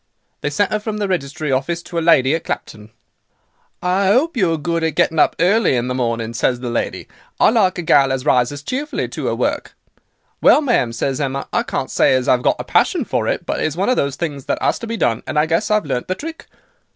They sent 'er from the registry office to a lady at Clapton. "'I 'ope you are good at getting up early in the morning?' says the lady, 'I like a gal as rises cheerfully to 'er work.' "'Well, ma'am,' says Emma, 'I can't say as I've got a passion for it. But it's one of those things that 'as to be done, and I guess I've learnt the trick.